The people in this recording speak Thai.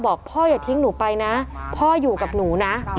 บอกพ่ออย่าทิ้งหนูไปนะพ่ออยู่กับหนูนะ